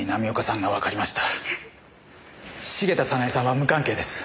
茂田早奈江さんは無関係です。